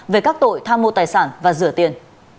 về các tội tham mô tài sản và rửa tiền